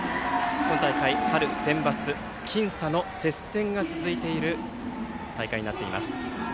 今大会、春センバツ僅差の接戦が続いている大会になっています。